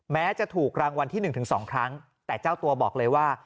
แม้จะถูกรางวัลที่๑๒ครั้งแต่เจ้าตัวบอกเลยว่า